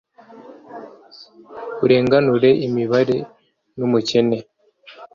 urenganure imbabare n’umukene